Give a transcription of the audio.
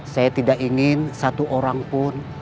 saya tidak ingin satu orang pun